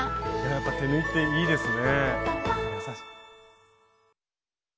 やっぱり手縫いっていいですね。